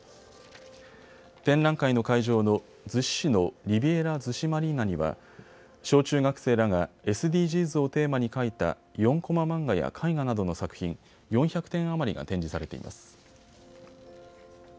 展覧会の会場の逗子市のリビエラ逗子マリーナには小中学生らがＳＤＧｓをテーマに描いた４コマ漫画や絵画などの作品、４００点余りが展示されています。